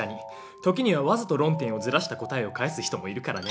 時にはわざと論点をずらした答えを返す人もいるからね。